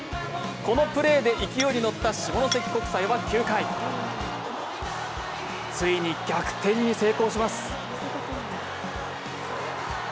このプレーで勢いに乗った下関国際は９回、ついに逆転に成功します。